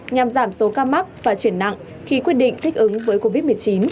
nhằm giảm số ca mắc và chuyển nặng khi quyết định thích ứng với covid một mươi chín